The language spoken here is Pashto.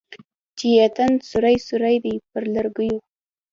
چې یې تن سوری سوری دی پر ګولیو